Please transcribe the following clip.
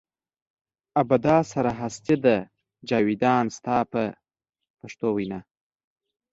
ابدا سره هستي ده جاویدان ستا په پښتو وینا.